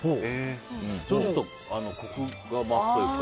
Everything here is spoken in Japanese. そうすると、コクが増すというか。